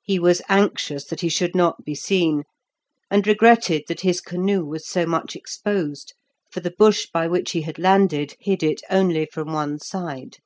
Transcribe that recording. He was anxious that he should not be seen, and regretted that his canoe was so much exposed, for the bush by which he had landed hid it only from one side.